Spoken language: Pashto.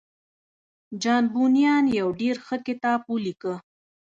جان بونيان يو ډېر ښه کتاب وليکه.